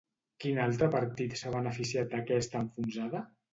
Quin altre partit s'ha beneficiat d'aquesta enfonsada?